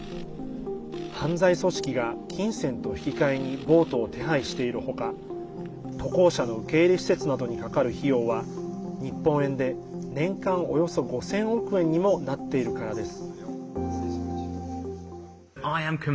犯罪組織が金銭と引き換えにボートを手配している他渡航者の受け入れ施設などにかかる費用は日本円で年間およそ５０００億円にもなっているからです。